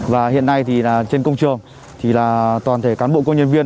và hiện nay trên công trường thì là toàn thể cán bộ công nhân viên